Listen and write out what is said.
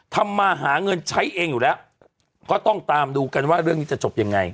ทำมาหาเงินใช้เองอยู่แล้วก็ต้องตามดูกันว่าเรื่องนี้จะจบยังไง